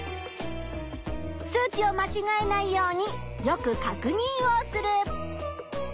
数値を間違えないようによく確認をする。